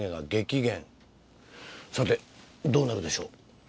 さてどうなるでしょう？